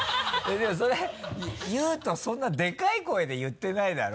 でもそれ悠人そんなでかい声で言ってないだろ？